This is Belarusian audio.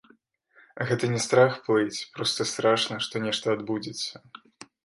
Гэта не страх плыць, проста страшна, што нешта адбудзецца.